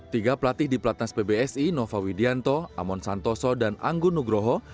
tiga pelatih di pelatnas pbsi nova widianto amon santoso dan anggun nugroho